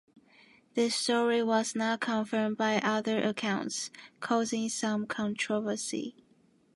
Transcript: This story was not confirmed by other accounts, causing some controversy.